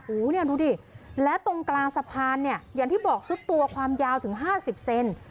โอ้โหเนี่ยดูดิและตรงกลางสะพานเนี่ยอย่างที่บอกซุดตัวความยาวถึง๕๐เซน